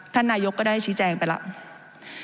ท่านนายก็ได้ชี้แจงไปแล้ว